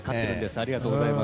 ありがとうございます。